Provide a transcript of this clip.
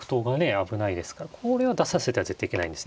危ないですからこれは出させては絶対いけないんですね。